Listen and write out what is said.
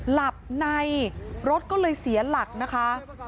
หลับในรถก็เลยเสียหลักนะคะ